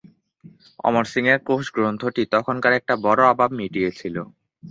অমরসিংহের কোষগ্রন্থটি তখনকার একটা বড় অভাব মিটিয়েছিল।